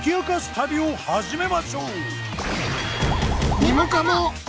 旅を始めましょう！